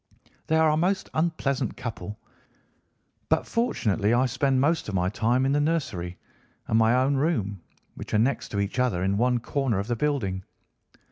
They are a most unpleasant couple, but fortunately I spend most of my time in the nursery and my own room, which are next to each other in one corner of the building.